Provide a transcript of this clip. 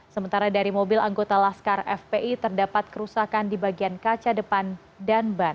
sementara dari mobil anggota laskar fpi terdapat kerusakan di bagian kaca depan dan ban